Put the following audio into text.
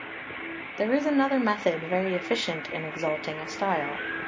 ] XL There is another method very efficient in exalting a style.